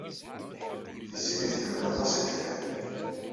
Tiziri tḥemmel aṭas akeffay.